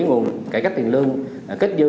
nguồn cải cách tiền lương kích dư